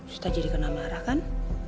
suka jadi kena marah kan